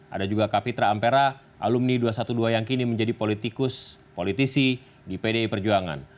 ada juga kapitra ampera alumni dua ratus dua belas yang kini menjadi politikus politisi di pdi perjuangan